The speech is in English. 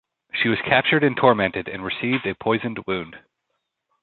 She was captured and tormented and received a poisoned wound.